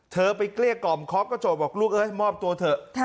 เธอไปเกลี้ยกอ่อมคอบก็จอดบอกลูกเอ๊ะมอบตัวเถอะ